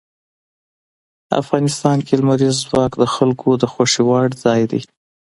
افغانستان کې لمریز ځواک د خلکو د خوښې وړ ځای دی.